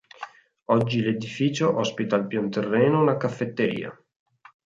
Oggi l'edificio ospita al pian terreno una caffetteria.